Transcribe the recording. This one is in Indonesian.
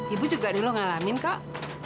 ibu juga dulu ngalamin kak